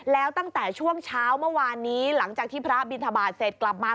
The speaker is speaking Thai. แล้วตั้งแต่ช่วงเช้าเมื่อวานนี้หลังจากที่พระบินทบาทเสร็จกลับมา